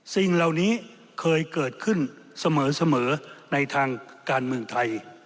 สิ่งเหล่านี้เคยเกิดขึ้นเสมอในทางการเมืองไทย